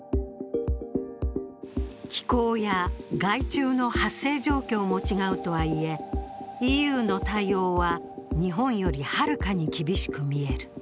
気候や害虫の発生状況も違うとはいえ、ＥＵの対応は日本よりはるかに厳しく見える。